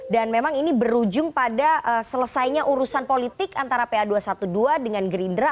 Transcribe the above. dan memang ini berujung pada selesainya urusan politik antara pa dua ratus dua belas dengan gerindra